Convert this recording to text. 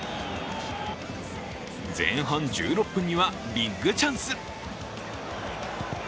前半１６分にはビッグチャンス。